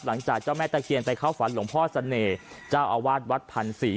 หลังจากเจ้าแม่ตะเคียนใส่เข้าฝันหลวงพ่อเสน่ห์เจ้าอวาทวัดพรรษี